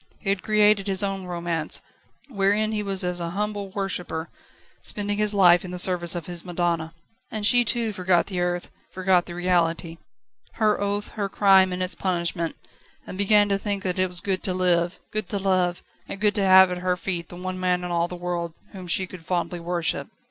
He had created his own romance, wherein he was as a humble worshipper, spending his life in the service of his madonna. And she too forgot the earth, forgot the reality, her oath, her crime and its punishment, and began to think that it was good to live, good to love, and good to have at her feet the one man in all the world whom she could fondly worship.